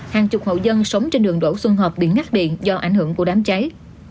hàng chục hậu dân sống trên đường đổ xuân hợp bị ngắt điện do ảnh hưởng của đám cháy